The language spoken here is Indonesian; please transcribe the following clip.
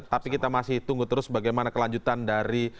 tapi kita masih tunggu terus bagaimana kelanjutan dari